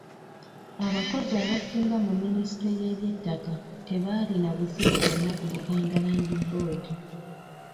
Abakozi abasinga mu minisitule y'eby'ettaka tebaalina buzibu bwonna ku Buganda Land Board.